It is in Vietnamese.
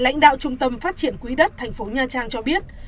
lãnh đạo trung tâm phát triển quý đất tp nha trang cho biết